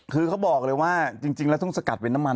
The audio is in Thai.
คือเขาบอกเลยว่าจริงแล้วต้องสกัดเป็นน้ำมัน